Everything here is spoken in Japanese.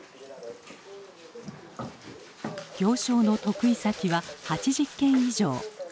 行商の得意先は８０軒以上。